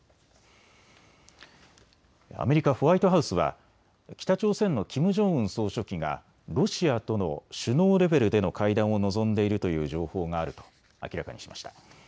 アメリカ・ホワイトハウスは北朝鮮のキム・ジョンウン総書記がロシアとの首脳レベルでの会談を望んでいるという情報があると明らかにしました。